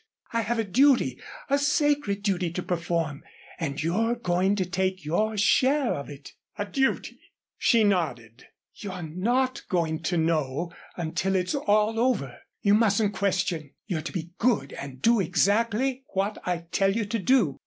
I have a duty, a sacred duty to perform and you're going to take your share of it." "A duty?" She nodded. "You're not to know until it's all over. You mustn't question, you're to be good and do exactly what I tell you to do.